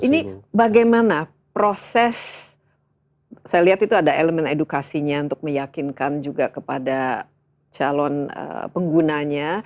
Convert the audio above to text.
ini bagaimana proses saya lihat itu ada elemen edukasinya untuk meyakinkan juga kepada calon penggunanya